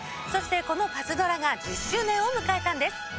そしてこのパズドラが１０周年を迎えたんです。